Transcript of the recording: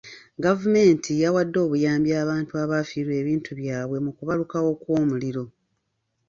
Gavumenti yawadde obuyambi abantu abaafiirwa ebintu byabwe mu kubalukawo kw'omuliro.